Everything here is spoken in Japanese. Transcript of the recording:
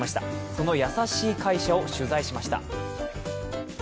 その優しい会社を取材しました。